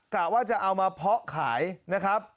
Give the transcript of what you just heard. กะว่าจะเอามาเพาะขายนะครับ